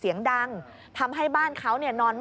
นี่ค่ะคุณผู้ชมพอเราคุยกับเพื่อนบ้านเสร็จแล้วนะน้า